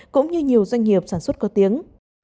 cũng như nhiều doanh nghiệp sản xuất có tiếng